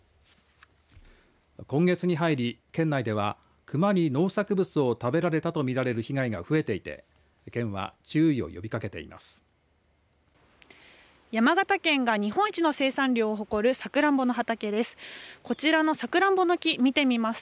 今月に入り、県内ではクマに農作物を食べられたとみられる被害が増えていて県は、注意を呼びかけています。